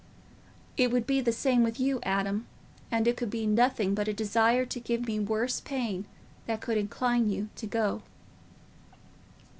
It would be the same with you, Adam, and it could be nothing but a desire to give me worse pain that could incline you to go."